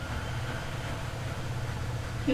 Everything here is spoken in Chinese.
起来，该回家了